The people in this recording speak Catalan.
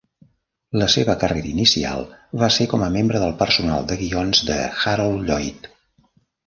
La seva carrera inicial va ser com a membre del personal de guions de Harold Lloyd.